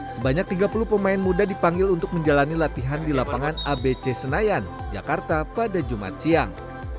sebanyak tiga puluh pemain muda dipanggil untuk menjalani latihan di lapangan abc senayan jakarta pada jumat siang